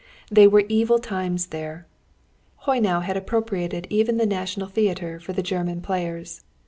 They were evil times there. Haynau had appropriated even the National Theatre for the German players.